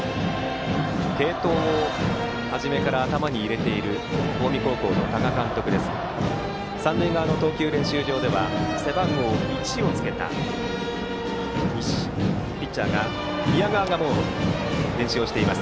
継投を初めから頭に入れている近江高校の多賀監督ですが三塁側の投球練習場では背番号１をつけたピッチャー、宮川が練習しています。